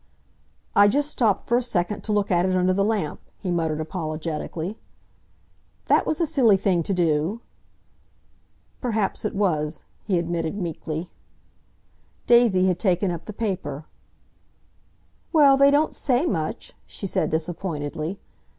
"I just stopped for a second to look at it under the lamp," he muttered apologetically. "That was a silly thing to do!" "Perhaps it was," he admitted meekly. Daisy had taken up the paper. "Well, they don't say much," she said disappointedly.